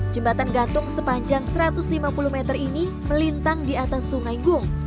jembatan gantung sepanjang satu ratus lima puluh meter ini melintang di atas sungai gung